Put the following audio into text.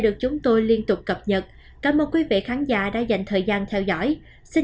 được chúng tôi liên tục cập nhật cảm ơn quý vị khán giả đã dành thời gian theo dõi xin chào và hẹn